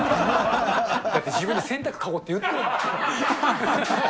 だって自分で洗濯籠って言ってるもん。